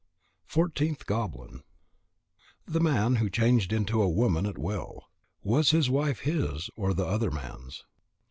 FOURTEENTH GOBLIN _The Man who changed into a Woman at Will. Was his wife his or the other man's?